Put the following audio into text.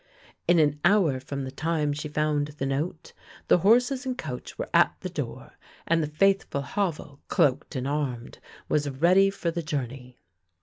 In an hour from thetime she found the note, the horses and coach were at the door, and the faithful Havel, cloaked and armed, was ready for the journey.